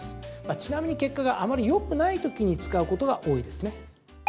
ちなみに結果があまりよくない時に使うことが多いですね。